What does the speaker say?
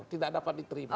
tidak dapat diterima